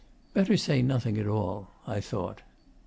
Better say nothing at all, I thought.